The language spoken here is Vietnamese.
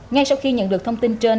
ngay sau khi nhận được thông tin trên